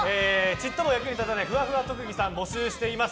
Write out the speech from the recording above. ちっとも役に立たないふわふわ特技さん募集しています。